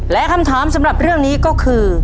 และคำถามสำหรับเรื่องนี้ก็คือ